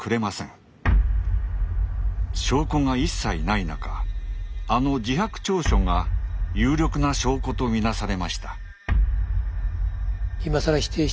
証拠が一切ない中あの自白調書が有力な証拠と見なされました。